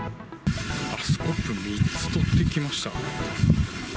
スコップ３つ取っていきまし